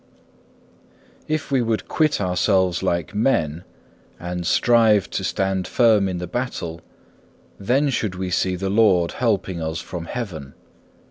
4. If we would quit ourselves like men, and strive to stand firm in the battle, then should we see the Lord helping us from Heaven.